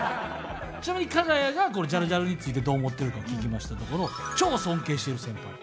ちなみにかが屋がジャルジャルについてどう思ってるかを聞きましたところ超尊敬している先輩。